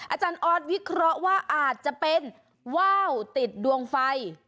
อาจารย์ออสวิเคราะห์ว่าอาจจะเป็นว่าวติดดวงไฟ